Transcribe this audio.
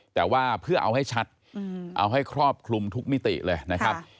แต่ว่าเพื่อเอาให้ชัดเอาให้ครอบคลุมทุกมิติเลยนะครับ